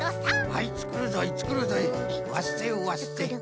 「はいつくるぞいつくるぞいわっせわっせ」。